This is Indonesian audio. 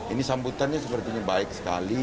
ini sambutannya sepertinya baik sekali